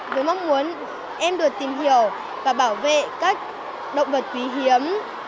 với mong muốn em được tìm hiểu và bảo vệ các động vật quý hiếm